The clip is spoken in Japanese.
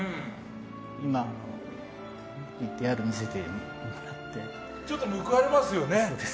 今、ＶＴＲを見せてもらってちょっと報われますよね。